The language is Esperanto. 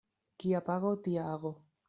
Kia pago, tia ago.